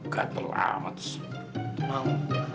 gatel amat mau